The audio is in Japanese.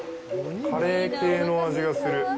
カレー系の味がする。